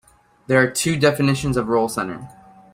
There are two definitions of roll center.